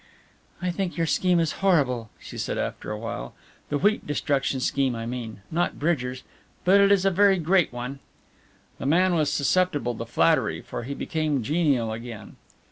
"I think your scheme is horrible," she said after awhile, "the wheat destruction scheme, I mean, not Bridgers. But it is a very great one." The man was susceptible to flattery, for he became genial again.